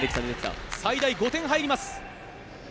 最大５点入ります。